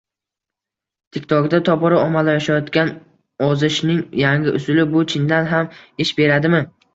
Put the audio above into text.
TikTok’da tobora ommalashayotgan ozishning yangi usuli: bu chindan ham ish beradimi?